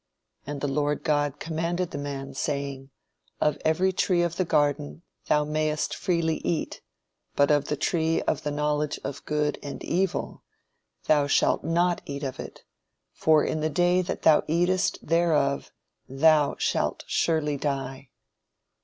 "And the Lord God commanded the man, saying, Of every tree of the garden thou mayest freely eat; But of the tree of the knowledge of good and evil, thou shalt not eat of it; for in the day that thou eatest thereof thou shalt surely die.